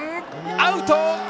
アウト！